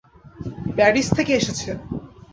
Paris থেকে এসেছে।